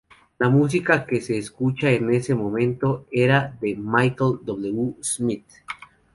La música que se escuchaba en ese momento era de Michael W. Smith.